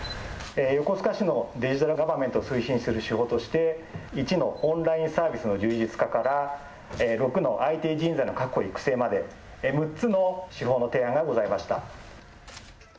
横須賀市のデジタルガバメントを推進する手法として１のオンラインサービスの充実化から６のＩＴ人材の確保・育成まで６つの手法の提案がございました。